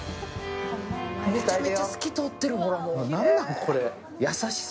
めちゃめちゃ透き通ってるほらもう。